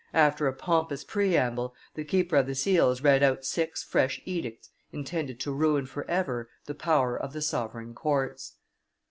After a pompous preamble, the keeper of the seals read out six fresh edicts intended to ruin forever the power of the sovereign courts.